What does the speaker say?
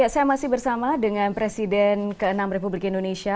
saya masih bersama dengan presiden ke enam republik indonesia